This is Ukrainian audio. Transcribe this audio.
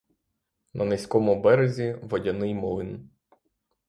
На низькому березі — водяний млин.